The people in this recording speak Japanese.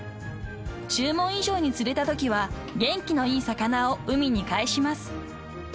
［注文以上に釣れたときは元気のいい魚を海に返します］